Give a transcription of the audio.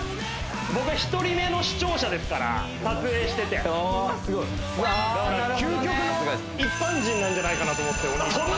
僕は１人目の視聴者ですから撮影しててなんじゃないかなと思ってお兄ちゃん